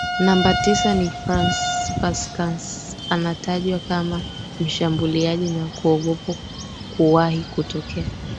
Namba tisa ni Farenc PuskasAnatajwa kama mshambuliaji wa kuogopwa kuwahi kutokea